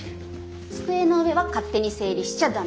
机の上は勝手に整理しちゃダメ。